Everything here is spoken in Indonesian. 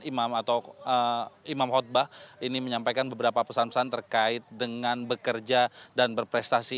imam atau imam khutbah ini menyampaikan beberapa pesan pesan terkait dengan bekerja dan berprestasi